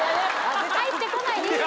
入ってこないでいいよ。